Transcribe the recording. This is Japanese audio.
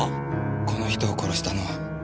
この人を殺したのは。